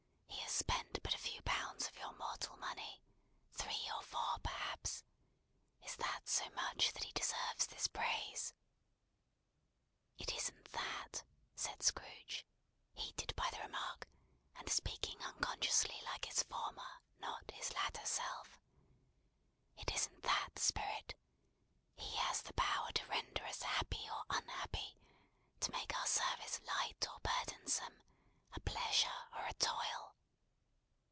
He has spent but a few pounds of your mortal money: three or four perhaps. Is that so much that he deserves this praise?" "It isn't that," said Scrooge, heated by the remark, and speaking unconsciously like his former, not his latter, self. "It isn't that, Spirit. He has the power to render us happy or unhappy; to make our service light or burdensome; a pleasure or a toil.